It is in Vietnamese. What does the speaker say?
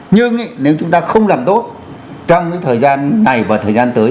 nhưng nếu chúng ta không làm tốt trong cái thời gian này và thời gian tới